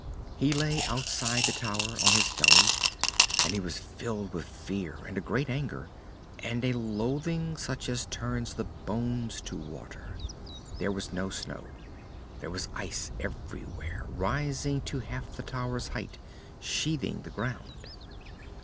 _ He lay outside the tower, on his belly, and he was filled with fear and a great anger, and a loathing such as turns the bones to water. There was no snow. There was ice everywhere, rising to half the tower's height, sheathing the ground.